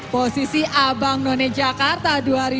posisi abang none jakarta dua ribu dua puluh